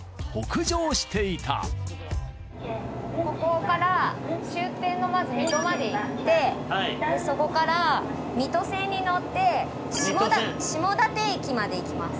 ここから終点のまず水戸まで行ってそこから水戸線に乗って下館駅まで行きます。